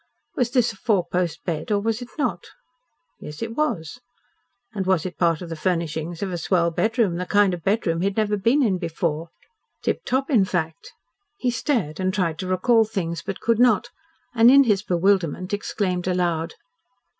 Was this a four post bed or was it not? Yes, it was. And was it part of the furnishings of a swell bedroom the kind of bedroom he had never been in before? Tip top, in fact? He stared and tried to recall things but could not, and in his bewilderment exclaimed aloud.